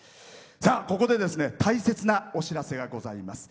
ここで大切なお知らせがございます。